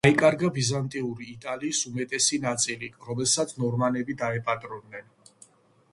დაიკარგა ბიზანტიური იტალიის უმეტესი ნაწილი, რომელსაც ნორმანები დაეპატრონენ.